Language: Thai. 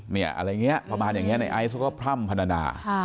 อะไรอย่างนี้ประมาณอย่างนี้ในไอซ์เขาก็พร่ำพนานา